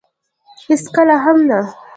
هېڅکله هم.